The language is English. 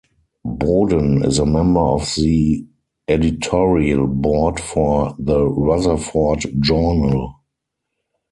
Boden is a member of the editorial board for "The Rutherford Journal".